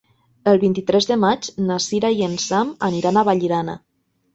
El vint-i-tres de maig na Sira i en Sam aniran a Vallirana.